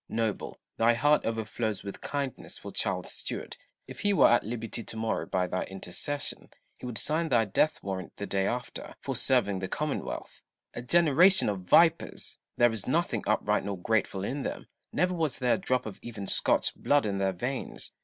Noble, thy heart overflows with kindness for Charles Stuart : if he were at liberty to morrow by thy intercession, he would sign thy death warrant the day after, for serving the Commonwealth. A generation of vipers ! there is nothing upright nor grateful in them : never was there a drop of even Scotch blood in their veins.